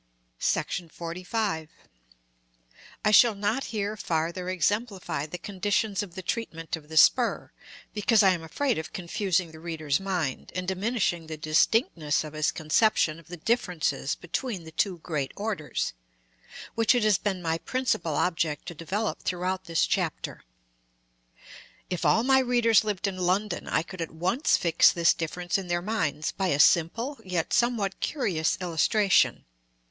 § XLV. I shall not here farther exemplify the conditions of the treatment of the spur, because I am afraid of confusing the reader's mind, and diminishing the distinctness of his conception of the differences between the two great orders, which it has been my principal object to develope throughout this chapter. If all my readers lived in London, I could at once fix this difference in their minds by a simple, yet somewhat curious illustration.